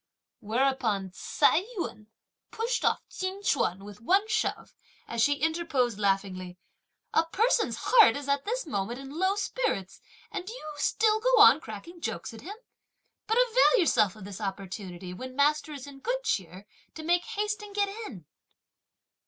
whereupon Ts'ai Yün pushed off Chin Ch'uan with one shove, as she interposed laughingly, "A person's heart is at this moment in low spirits and do you still go on cracking jokes at him? But avail yourself of this opportunity when master is in good cheer to make haste and get in!"